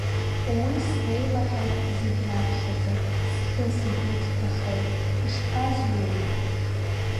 Уи слеилаҳаит зегь раԥхьаӡа, схы-сгәы дҭахеит, ишԥазури?